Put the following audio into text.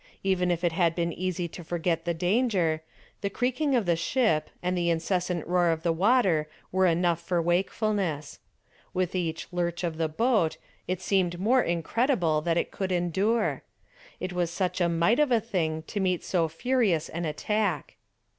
Even if it had been easy to forget the danger, the creaking of the ship and the incessant roar of the water were enough for wakefulness. With each lurch of the boat it seemed more incredible that it could endure. It was such a mite of a thing to meet so furious an attack.